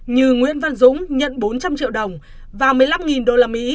như nguyễn văn dũng nhận bốn trăm linh triệu đồng và một mươi năm usd